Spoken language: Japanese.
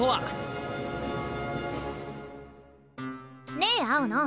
ねえ青野！